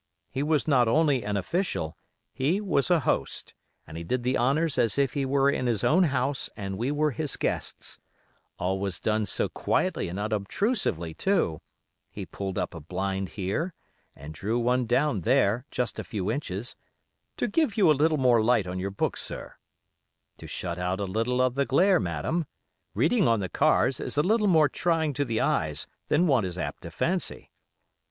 He was not only an official, he was a host, and he did the honors as if he were in his own house and we were his guests; all was done so quietly and unobtrusively, too; he pulled up a blind here, and drew one down there, just a few inches, 'to give you a little more light on your book, sir';—'to shut out a little of the glare, madam—reading on the cars is a little more trying to the eyes than one is apt to fancy.